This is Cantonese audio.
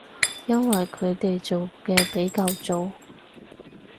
因為佢哋做嘅比較早